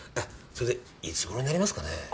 それでいつごろになりますかね？